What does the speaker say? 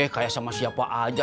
kayak sama siapa aja